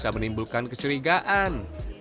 bisa menimbulkan kecurigaan